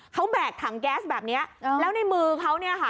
เขาแบกถังแก๊สแบบนี้แล้วในมือเขาเนี่ยค่ะ